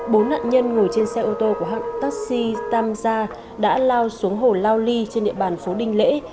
bốn nạn nhân ngồi trên xe ô tô của hãng taxi tam gia đã lao xuống hồ lao ly trên địa bàn phố đinh lễ